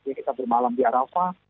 mungkin kita bermalam di arafat